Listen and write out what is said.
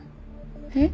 えっ？